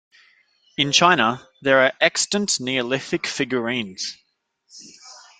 In China, there are extant Neolithic figurines.